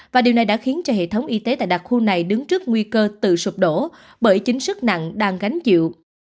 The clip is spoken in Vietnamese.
và điều này đã khiến cho hệ thống y tế tại đặc khu này đứng trước nguy cơ tự sụp đổ bởi chính sức nặng đang gánh chịu